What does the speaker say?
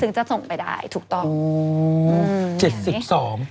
ถึงจะส่งไปได้ถูกต้อง